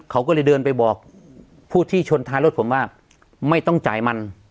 เขาก็เลยเดินไปบอกผู้ที่ชนท้ายรถผมว่าไม่ต้องจ่ายมัน